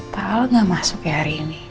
pakal gak masuk ya hari ini